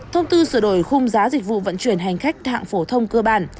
thông tư sửa đổi khung giá dịch vụ vận chuyển hành khách hạng phổ thông cơ bản